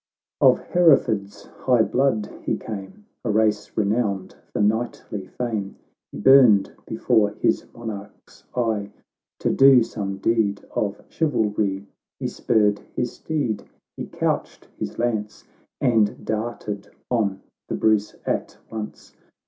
Of Hereford's high blood he came, A race renowned for knightly fame. He burned before his Monarch's eye To do some deed of chivalry. He spurred his steed, he couched his lance, And darted on the Bruce at once.